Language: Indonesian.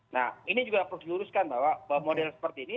nah ini juga harus diluruskan bahwa model seperti ini